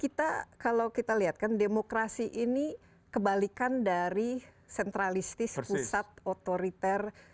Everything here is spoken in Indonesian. kita kalau kita lihat kan demokrasi ini kebalikan dari sentralistis pusat otoriter